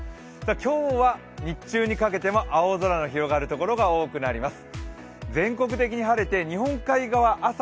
今日は、日中にかけても青空が広がるところが多くなります。